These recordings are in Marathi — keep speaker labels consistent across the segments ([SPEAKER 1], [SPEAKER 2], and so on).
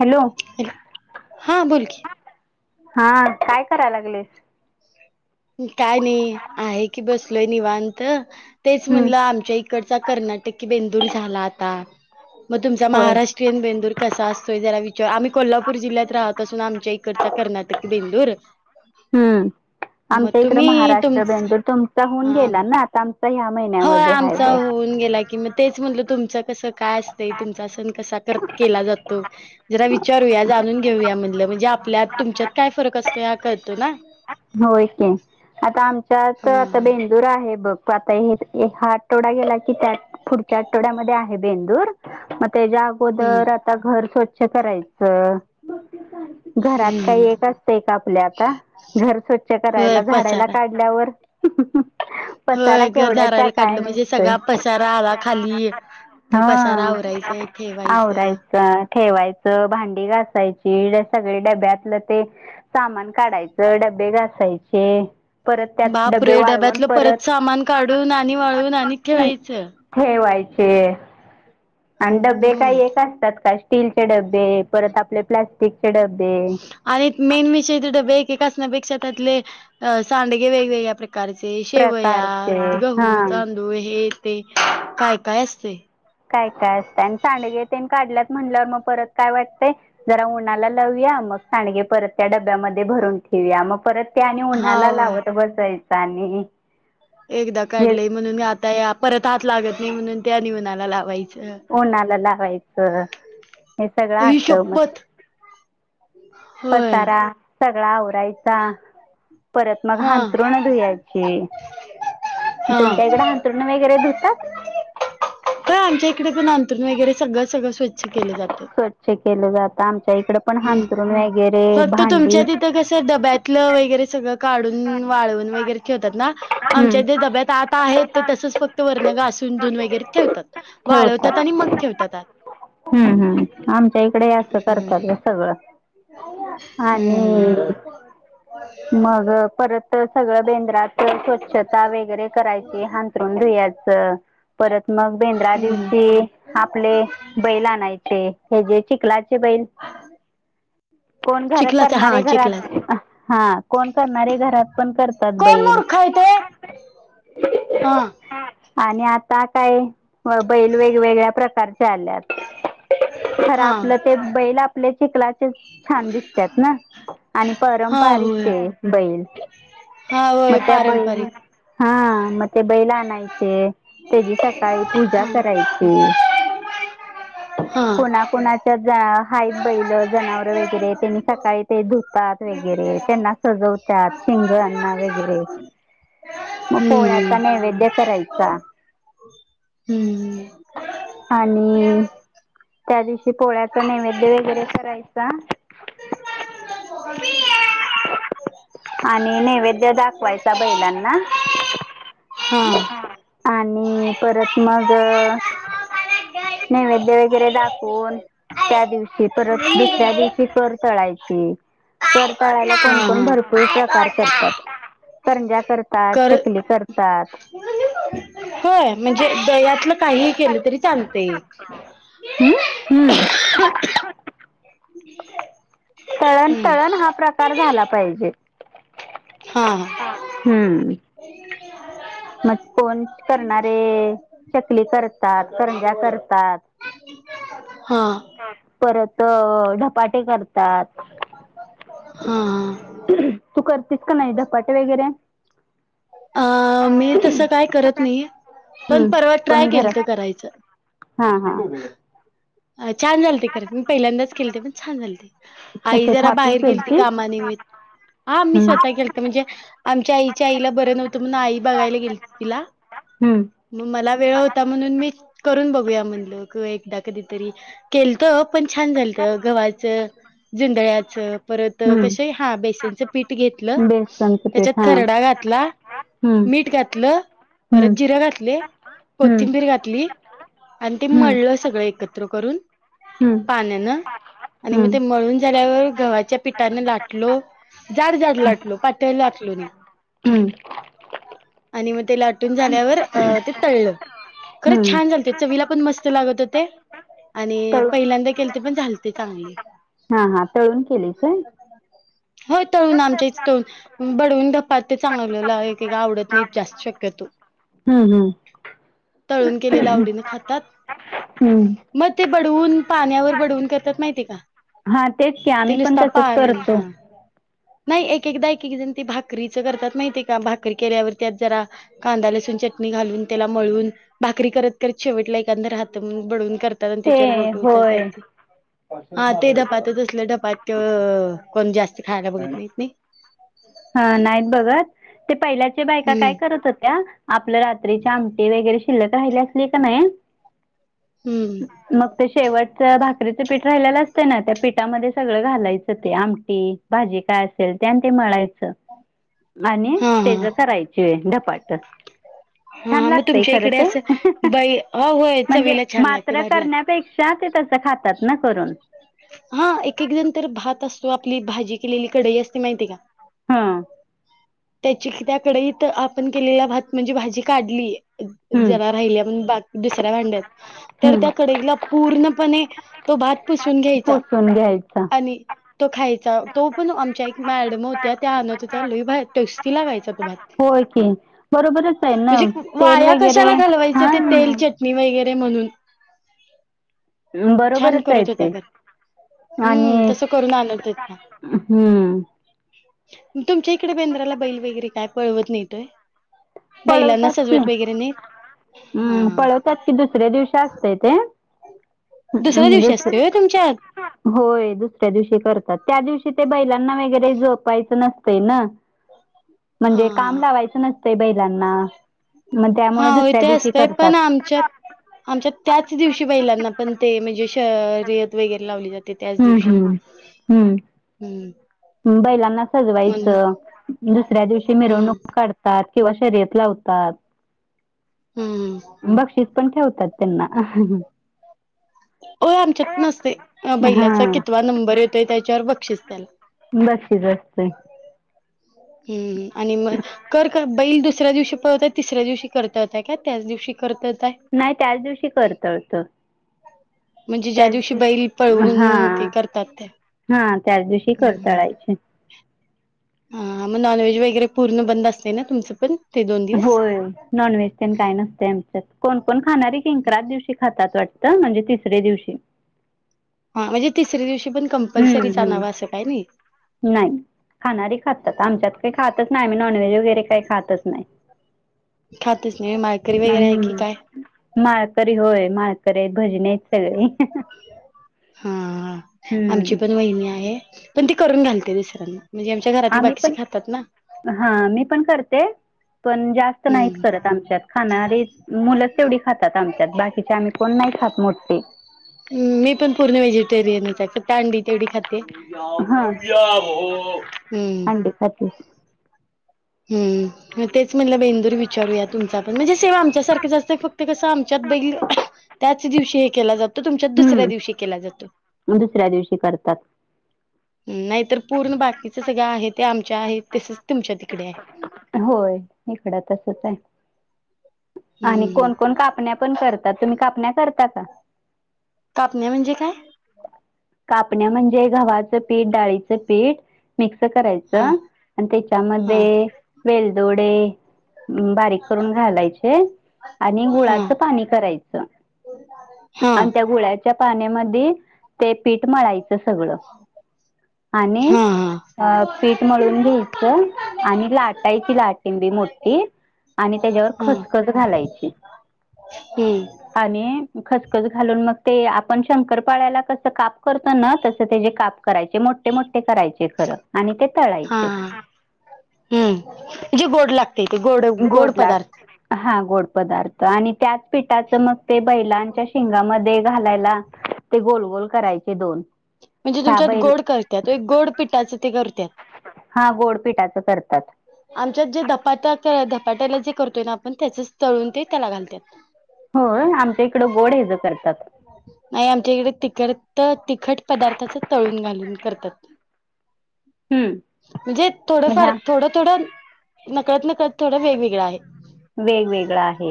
[SPEAKER 1] हॅलो
[SPEAKER 2] हा बोल की
[SPEAKER 1] हा काय कराय लागलेस?
[SPEAKER 2] काय नाही आहे की बसलोय निवांत तेच
[SPEAKER 1] हम्म
[SPEAKER 2] म्हणलं आमच्या तिकडचा कर्नाटकी बेंदूर झाला आता मग तुमचा
[SPEAKER 1] होय
[SPEAKER 2] महाराष्ट्रीयन बेंदूर कसा असतोय जरा विचार आम्ही कोल्हापूर जिल्ह्यात राहत असून आमच्या एक इकडचा कर्नाटकी बेंदूर
[SPEAKER 1] हम्म आमच्या
[SPEAKER 2] मग
[SPEAKER 1] इकड
[SPEAKER 2] तुम्ही तुम
[SPEAKER 1] महाराष्ट्र बेंदूर तुमचा होऊन
[SPEAKER 2] हा
[SPEAKER 1] गेला ना आता आमचा ह्या महिन्या
[SPEAKER 2] होय आमचा होऊन गेला कि म तेच म्हणलं तुमच कसं काय असतंय तुमचा सण कसा कर केला जातो. जरा विचारूया जाणून घेऊया म्हणलं म्हणजे आपल्यात तुमच्यात काय फरक असतोय हा कळतो ना.
[SPEAKER 1] होय की आता आमच्यात
[SPEAKER 2] हा
[SPEAKER 1] आता बें दुर आहे बघ आता हे हा आठवडा गेला की त्या पुढच्या आठवड्यामध्ये आहे बेंदूर म तेच्या
[SPEAKER 2] हम्म
[SPEAKER 1] अगोदर आता घर स्वच्छ करायचं. घरात काही
[SPEAKER 2] हम्म
[SPEAKER 1] एक असतय आपल्या आता घर स्वच्छ
[SPEAKER 2] होय
[SPEAKER 1] करायला, झाडायला
[SPEAKER 2] पसारा
[SPEAKER 1] काढ ल्यावर
[SPEAKER 2] होय घर झारायला काढलं म्हणजे
[SPEAKER 1] निघतोय
[SPEAKER 2] सगळा पसारा आला खाली तो पसारा
[SPEAKER 1] हा
[SPEAKER 2] आवरायचं ठेवायचं
[SPEAKER 1] आवरायचा ठेवायचं, भांडी घासायची, सगळे डब्यातलं ते सामान काढायच. डब्बे घासायचे. परत त्यात डबे
[SPEAKER 2] बापरे
[SPEAKER 1] वाळवून
[SPEAKER 2] डब्यातलं सामान
[SPEAKER 1] परत
[SPEAKER 2] काढून आणि वाळून आणि ठेवायचं
[SPEAKER 1] [inaudible] ठेवायचे आणि डबे
[SPEAKER 2] हम्म
[SPEAKER 1] काही एक असत्यात काय स्टीलचे डबे परत आपले प्लास्टिकचे डबे
[SPEAKER 2] आणि मेन विषय ते डबे एक असण्यापेक्षा त्यातले सांडगे वेगवेगळ्या प्र प्रकारचे शेवया,
[SPEAKER 1] प्रकारचे हा
[SPEAKER 2] गहू, तांदूळ हे ते काय काय असतय.
[SPEAKER 1] काय काय असतंय आणि सांडगे ते काढल्यात म्हटल्यावर मग परत काय वाटतंय जरा उन्हाला लावुया मग सांडगे परत त्या डब्यामध्ये भरून ठेऊया मग परत त्या आणि
[SPEAKER 2] हा
[SPEAKER 1] उन्हाला
[SPEAKER 2] होय
[SPEAKER 1] लावत बसायच आणि
[SPEAKER 2] एकदा
[SPEAKER 1] हेच
[SPEAKER 2] काढले म्हणून मी आता या परत हात लागत नाही म्हणून त्यानी ऊनाला लावायच.
[SPEAKER 1] उन्हाला लावायचं हे सगळं
[SPEAKER 2] आई
[SPEAKER 1] असत मस.
[SPEAKER 2] शपथ होय.
[SPEAKER 1] सगळा आरायचा. परत मग
[SPEAKER 2] हा
[SPEAKER 1] हांंतरून धुयाची.
[SPEAKER 2] हा
[SPEAKER 1] तुमच्या इकड हां तरून वेगरे धुतात?
[SPEAKER 2] हा आमच्या इकडे पण अंथरूण वगैरे सगळं सगळं स्वच्छ केले जातं.
[SPEAKER 1] स्वच्छ केलं जातं. आमच्या इकड पण
[SPEAKER 2] हम्म.
[SPEAKER 1] हांथरूण वेगैरे, भांडी
[SPEAKER 2] ते डब्यातलं वगैरे सगळं काढून वाळवून वगैरे ठेवतात ना. आमच्या
[SPEAKER 1] हम्म
[SPEAKER 2] ते डब्यात आत आहेत ते तसच फक्त वरन घासून धुवून वगैरे ठेवतात. वाळवतात आणि मग ठेवतात आत.
[SPEAKER 1] हं हं. आमच्या इकडेही असं
[SPEAKER 2] हम्म
[SPEAKER 1] करतात गं सग गळं
[SPEAKER 2] हम्म
[SPEAKER 1] आणि मग परत सगळं बेंद्रात स्वच्छता वगैरे करायची. हांतरून धुया च. परत मग बेंद्रा
[SPEAKER 2] हम्म.
[SPEAKER 1] दिवशी आपले बैल आणायचे. हे जे चिकलाचे चे बैल, कोण घर
[SPEAKER 2] चिखलाच हा
[SPEAKER 1] करणारे
[SPEAKER 2] चिखलाच
[SPEAKER 1] घरात हां. कोण करणारे घरात पण करतात
[SPEAKER 2] कोण
[SPEAKER 1] बैल.
[SPEAKER 2] हां.
[SPEAKER 1] आणि आता काय बैल वेगवेगळ्या प्रकारचे आल्यात. खर
[SPEAKER 2] हा.
[SPEAKER 1] आपलं ते बैल आपले चिखलाचे छान दिसतात ना, आणि
[SPEAKER 2] हा
[SPEAKER 1] परंपारिक
[SPEAKER 2] होय
[SPEAKER 1] ते. बैल.
[SPEAKER 2] हा
[SPEAKER 1] म
[SPEAKER 2] होय
[SPEAKER 1] त्या बैल
[SPEAKER 2] पारंपरिक
[SPEAKER 1] हं, मग ते बैल आणायचे, तेची सकाळी पूजा
[SPEAKER 2] हा
[SPEAKER 1] करायची. [inaudible]
[SPEAKER 2] हं,
[SPEAKER 1] कुणा कुणाच्या ज हायेत बैल, जनावरं वगैरे. त्यांनी सकाळी ते धुतात व गैरे त्यांना सजवतात शिंगाना वगैरे. म
[SPEAKER 2] हम्म
[SPEAKER 1] पोळ्याचा नैवेद्य करायचा.
[SPEAKER 2] हम्म
[SPEAKER 1] आणि त्या दिवशी पोळ्याचा नैवेद्य वगैरे करायचा.
[SPEAKER 2] [inaudible]
[SPEAKER 1] आणि नैवेद्य दाखवायचा बैलांना.
[SPEAKER 2] हा.
[SPEAKER 1] आणि परत मग नैवेद्य वगैरे दाखवून त्या दिवशी, परत दुसऱ्या दिवशी कर तळायची. तळाला
[SPEAKER 2] हा
[SPEAKER 1] कोणकण
[SPEAKER 2] हा
[SPEAKER 1] भरपूर प्रकार करतात. करंजा करतात,
[SPEAKER 2] कर
[SPEAKER 1] चकली करत तात.
[SPEAKER 2] होय, म्हणजे दयातलं काहीही केलं तरी चालतय.
[SPEAKER 1] हं? हं. तळण
[SPEAKER 2] हम्म
[SPEAKER 1] तळण हा प्रकार झाला पाहिजे.
[SPEAKER 2] हां हां.
[SPEAKER 1] हं. मग कोण करणारे चकली करतात, करंजा करतात.
[SPEAKER 2] हा हा
[SPEAKER 1] परत धपाटे करतात.
[SPEAKER 2] हा, आ,
[SPEAKER 1] तू करतेस की नाही, धपाटे वगैरे
[SPEAKER 2] अं मी तसं करत नाही ये, पण
[SPEAKER 1] हम्म.
[SPEAKER 2] परवा ट्राय
[SPEAKER 1] कोण
[SPEAKER 2] केलंत
[SPEAKER 1] घरात
[SPEAKER 2] करायचं.
[SPEAKER 1] हा -हा.
[SPEAKER 2] छान झाले ते खरं त मी पहिल्यांदाच केलंते पण छान झाले ते. आई
[SPEAKER 1] कसे
[SPEAKER 2] जरा
[SPEAKER 1] थापी
[SPEAKER 2] बाहेर गेलती
[SPEAKER 1] केलतीस?
[SPEAKER 2] कामानिमित् हा आम्ही
[SPEAKER 1] हम्म.
[SPEAKER 2] स्वतः केलंतो म्हणजे आमच्या आईच्या आईला बरं नव्हतं, मग आई बघायला गेलंती तिला.
[SPEAKER 1] हम्म,
[SPEAKER 2] म मला वेळ होता म्हणून मी करून बघूया म्हणलं, क एकदा कधीतरी केलंत पण छान झालंत गव्हाचं जुंडळ्याचं परत
[SPEAKER 1] हम्म.
[SPEAKER 2] कशे हा बेसनचं पीठ घेतलं.
[SPEAKER 1] बेसनचं पीठ
[SPEAKER 2] त्याच्यात
[SPEAKER 1] हा.
[SPEAKER 2] खरडा घातला
[SPEAKER 1] हम्म.
[SPEAKER 2] मीठ घातलं,
[SPEAKER 1] हम्म.
[SPEAKER 2] परत जिरं घातले,
[SPEAKER 1] हम्म.
[SPEAKER 2] कोथिंबीर घातली. आणि ते
[SPEAKER 1] हम्म.
[SPEAKER 2] मळलं सगळं एकत् र,
[SPEAKER 1] हम्म.
[SPEAKER 2] पाण्यानं आणि म ते
[SPEAKER 1] हम्म.
[SPEAKER 2] मळून झाल्यावर गव्हा च्या, पिठाने लाटलो जाड -जाड लाटलो, पातळं लाटलो नाही.
[SPEAKER 1] हम्म.
[SPEAKER 2] आणि म तेला लाटून झाल्यावर ते तळलं खरं
[SPEAKER 1] हम्म.
[SPEAKER 2] छान झालं ते, चवीला पण मस्त लागत होते. आणि
[SPEAKER 1] तळु
[SPEAKER 2] पहिल्यांदा केलते पण झालते चांगले
[SPEAKER 1] हा-हा तळून केलीस काय? [inaudible]
[SPEAKER 2] होय तळून आमच्या इथं तळुन बडवून धपाटे चांगलेलं आहे. ते काय आवडत नाही जास्त शक्यतो,
[SPEAKER 1] हम्म हम्म.
[SPEAKER 2] तळून केलेल्या आवडीने खातात.
[SPEAKER 1] हम्म,
[SPEAKER 2] म ते बडवून, पाण्यावर बडवून करतात माहितीय का?
[SPEAKER 1] हा तेच की
[SPEAKER 2] ते
[SPEAKER 1] आम्ही
[SPEAKER 2] निस्त
[SPEAKER 1] पण तसच
[SPEAKER 2] पाण्याने,
[SPEAKER 1] करतो.
[SPEAKER 2] हा नाही एक एकदा, एक- एक जण ते भाकरीचं करतात माहितीय का, भाकरी केल्यावरती ते जरा कांदा लसून चटणी घालून त्याला मळून भाकरी करत- करत शेवटला एखादं राहातं म्हणुन बडवून करत‌ करून
[SPEAKER 1] ते
[SPEAKER 2] त्याच्यावर बोटे उठवतात
[SPEAKER 1] होय.
[SPEAKER 2] ती. हा ते धपाटं तसले धपाटं, तसलं धपाटं कोण जास्त खायला बघत नाही.
[SPEAKER 1] हा नाहीत बघत, ते पहिल्याच्या बायका काय
[SPEAKER 2] हम्म
[SPEAKER 1] करत होत्या आपल्या रात्रीच्या आम आमटी वगैरे शिल्लक राहिली आसली का नाही
[SPEAKER 2] हम्म
[SPEAKER 1] ते शेवटचं भाकरीचं पीठ राहिलेलं असतं ना त्या पीठामध्ये सगळं घालायचं ते आमटी भाजी काय असेल त्या ते मळायचं आणि
[SPEAKER 2] हा हा
[SPEAKER 1] त्याच करायचं. शिळे धपाटं. छान
[SPEAKER 2] हा मग
[SPEAKER 1] लागतंय
[SPEAKER 2] तुमच्या
[SPEAKER 1] खरं
[SPEAKER 2] इकडे
[SPEAKER 1] ते, अं,
[SPEAKER 2] असं
[SPEAKER 1] हं, हे
[SPEAKER 2] बाई हा होय
[SPEAKER 1] म्हणजे
[SPEAKER 2] चवीला छान
[SPEAKER 1] मात्र करण्यापेक्षा पेक्षा ते तसं खात
[SPEAKER 2] खात्या ना. हा एक -एक जण तर भात असतो, आपली भाजी केलेली कढाई असते माहिती का?
[SPEAKER 1] हा,
[SPEAKER 2] त्याची त्या कढईत आपण केलेला भात, म्हणजे भाजी काढलीय
[SPEAKER 1] हं,
[SPEAKER 2] जरा राहिलीण बाकी दुसऱ्या भांड्यात, तर
[SPEAKER 1] हं.
[SPEAKER 2] त्या कडेला पूर्णपणे तो भात पुसून घ्यायचा,
[SPEAKER 1] पुसून घ्यायचा
[SPEAKER 2] आणि तो घ्यायचा, तो पण आमच्या एक मॅडम होत्या त्या आणत होत्या, तो लैय भारी टेस्टी लागायचा तो भात.
[SPEAKER 1] होय कि, बरोबरच आहे ना
[SPEAKER 2] म्हणजे
[SPEAKER 1] तेल
[SPEAKER 2] वाया
[SPEAKER 1] वगैरे,
[SPEAKER 2] कशाला घालवायचं ते
[SPEAKER 1] हा-हा.
[SPEAKER 2] तेल वगैरे म्हणून छान
[SPEAKER 1] बरोबरच आहे
[SPEAKER 2] करत होत्या...
[SPEAKER 1] ते
[SPEAKER 2] हम्म.....
[SPEAKER 1] आणि
[SPEAKER 2] तसं करून आणत होत्या.
[SPEAKER 1] हम्म
[SPEAKER 2] तुमच्या इकडे बेंद्राला बैल वैगैैरे काय पळवत नाहीत होय. बैलांना
[SPEAKER 1] पळवतात की.
[SPEAKER 2] सजवत वगैरे नाहीत
[SPEAKER 1] हम्म
[SPEAKER 2] हा
[SPEAKER 1] पळवतात. कि दुसऱ्या दिवशी असतय ते.
[SPEAKER 2] दुसऱ्या दिवशी
[SPEAKER 1] दुस्या....
[SPEAKER 2] असतोय होय तुमच्यात
[SPEAKER 1] होय दुसऱ्या दिवशी करतात त्या दिवशी ते बैलांना वगैरे जोपायचं नसतंय ना. [unintelligible]
[SPEAKER 2] हा
[SPEAKER 1] म्हणजे काम लावायचं नसतंय बैलांना... मग त्यामुळे दुसऱ्या दिवशी करतात.
[SPEAKER 2] आमच्या त्याच दिवशी बैलांना पण ते.. म्हण जे... शैर्यत वगैरे लावली जाते. ते त्याच
[SPEAKER 1] हम्म
[SPEAKER 2] दिवशी....
[SPEAKER 1] हम्म
[SPEAKER 2] हम्म.....
[SPEAKER 1] बैलांना
[SPEAKER 2] म्हणून
[SPEAKER 1] सजवायचं. दुसऱ्या दिवशी
[SPEAKER 2] हम्म
[SPEAKER 1] मिरवणूक काढत.. सार किंवा शर्यतला लावतात.
[SPEAKER 2] हम्म.....
[SPEAKER 1] बक्षीस पण ठेवतात. त्यांना....
[SPEAKER 2] हो.... आमच्यात नसतेय. बैलाचा
[SPEAKER 1] हा
[SPEAKER 2] कितवा नंबर येतोय त्याच्यावर बक्षीस त्याला.
[SPEAKER 1] बशीस असतय.
[SPEAKER 2] हम्म.... आणि मग कर.. का बैल दुसऱ्या दिवशी पळवत्यात. तिसऱ्या दिवशी करता येताय का त्याच दिवशी करता येताय.
[SPEAKER 1] नाही त्याच दिवशी करतात.
[SPEAKER 2] म्हणजे ज्या दिवशी बैल पळवून ते करतात ते.
[SPEAKER 1] हा.... त्याच दिवशी करताळायचे.
[SPEAKER 2] हा... मग नॉनव्हेज वगैरे पूर्ण बंद असतय ना तुमचं पण. ते दोन दिवस
[SPEAKER 1] होय... नॉन व्हेज तेन काय नसत आमच्यात. कोण -कोण खाणारी किंक्रात दिवशी खात... वाटत म्हणजे तिसऱ्या दिवशी.
[SPEAKER 2] हा... म्हणजे तिसऱ्या दिवशी पण
[SPEAKER 1] हम्म
[SPEAKER 2] कंम्पल्सरीच आणावं
[SPEAKER 1] हम्म
[SPEAKER 2] असं काय नाही.
[SPEAKER 1] नाही. खाणारी खातात आमच्यात काही खातच नाही. आम्ही नॉनव्हेज वैगैरे काही खातच नाही.
[SPEAKER 2] खातच नाही. माळकरी वैगैरे आहे की
[SPEAKER 1] हम्म
[SPEAKER 2] काय?
[SPEAKER 1] माळकरी होय... माळकरी आहेत भजनी आहेत सगळी.
[SPEAKER 2] हा.. आमची पण वहिनी आहे. पण ती करून घालते दुसऱ्याना म्हणजे... आमच्या.... घरातली
[SPEAKER 1] आम्ही
[SPEAKER 2] बाकीची
[SPEAKER 1] पण
[SPEAKER 2] खातात ना...
[SPEAKER 1] हा... मी पण करते. पण जास्त... नाहीत
[SPEAKER 2] हम्म
[SPEAKER 1] करत आमच्यात खाणारे. मुलंच तेवढी खातात आमच्यात बाकीचे आम्ही कोण नाही खात मोठे...
[SPEAKER 2] मी पण पुर्ण व्हेजिटेरियनच आहे. फक्त अंडी तेव्हडी खाते.
[SPEAKER 1] हा
[SPEAKER 2] यामू... या... हो... हम्म...
[SPEAKER 1] [unintelligible]
[SPEAKER 2] हम्म... म ते च... म्हणल बेंदुर विचारूया तुमचा पण. म्हणजे सेम आमच्यासारखंच असतय फक्त कसं आमच्यात बैल.... त्याच दिवशी हे केला जातो. तुमच्यात दुसऱ्या दिवशी केला जातो.
[SPEAKER 1] त्या दिवशी करतात.
[SPEAKER 2] नाही तर... पूर्ण बाकीच सगळं आहे ते आमच्या आहे. तसेच तुमच्या... तिकडे आहे.
[SPEAKER 1] होय इकड तसच आहे. आणि
[SPEAKER 2] हम्म हम्म
[SPEAKER 1] कोण.... कोण कापण्या पण करतात. तुम्ही कापण्या करता काय?
[SPEAKER 2] कापण्या म्हणजे काय?
[SPEAKER 1] कापण्या म्हणजे गव्हाचं पीठ, डाळीचं पीठ. मिक्स
[SPEAKER 2] हा
[SPEAKER 1] करायचं. आणि
[SPEAKER 2] हा.
[SPEAKER 1] त्याच्यामध्ये..... वेलदोडे बारीक करून घालायचे आणि
[SPEAKER 2] हा
[SPEAKER 1] गुळाच
[SPEAKER 2] हा
[SPEAKER 1] पाणी करायच
[SPEAKER 2] हा
[SPEAKER 1] आणि त्या गुळाच्या पाण्यामधी ते पीठ मळायच सगळ
[SPEAKER 2] ह ह
[SPEAKER 1] अ पीठ मळून घ्यायच आणि लाटायची लाटिंबी मोठी आणि त्याच्यावर
[SPEAKER 2] हा
[SPEAKER 1] खसखस घालायची
[SPEAKER 2] हम्म
[SPEAKER 1] आणि खसखस घालून मग ते आपण शंकर पाळ्याला कस काप करतो ना तस त्याचे काप करायचे मोठे मोठे करायचे खरं आणि ते
[SPEAKER 2] हा
[SPEAKER 1] तळायचे
[SPEAKER 2] हम्म जे गोड लागते ते गोड गोड पदार्थ
[SPEAKER 1] हा गोड पदार्थ आणि त्याच पिठाच मग ते बैलांच्या शेंगामध्ये ते घालायला ते गोल गोल करायचे दोन
[SPEAKER 2] म्हणजे
[SPEAKER 1] ह्या
[SPEAKER 2] तुमच्यात
[SPEAKER 1] बैल
[SPEAKER 2] गोड करत्यात एक गोड पिठाच ते करत्यात
[SPEAKER 1] हा गोडपिठाच करत्यात
[SPEAKER 2] आमच्यात जे धपाट्याला जे धपाटे करतोय ना आपण त्याचच तळून ते त्याला घालत
[SPEAKER 1] हो आमच्या इकड गोड हेज करत्यात
[SPEAKER 2] नाही आमच्या इकडे तिखट तिखट पदार्थाच तळून घालून करतात
[SPEAKER 1] हम्म
[SPEAKER 2] म्हणजे थोडंफार
[SPEAKER 1] ह्या
[SPEAKER 2] थोड थोड नकळत नकळत थोड वेगवेगळ आहे
[SPEAKER 1] वेगवेगळा आहे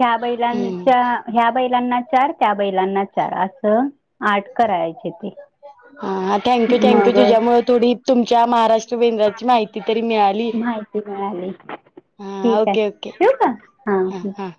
[SPEAKER 1] ह्या
[SPEAKER 2] हम्म
[SPEAKER 1] बैलांच्या ह्या बैलांना चार त्या बैलांना चार असं आठ करायचे ते
[SPEAKER 2] हा अ थँक्यू थँक्यू
[SPEAKER 1] मग
[SPEAKER 2] तुझ्यामुळे थोडी तुमच्या महाराष्ट्र बेद्राची माहिती तरी मिळाली
[SPEAKER 1] माहिती मिळाली
[SPEAKER 2] हा
[SPEAKER 1] ठीक आहे
[SPEAKER 2] ओके ओके
[SPEAKER 1] ठेवू का
[SPEAKER 2] ह
[SPEAKER 1] हां
[SPEAKER 2] हा